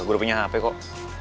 gue udah punya handphone kok